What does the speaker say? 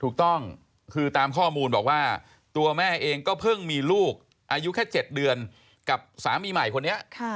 ถูกต้องคือตามข้อมูลบอกว่าตัวแม่เองก็เพิ่งมีลูกอายุแค่๗เดือนกับสามีใหม่คนนี้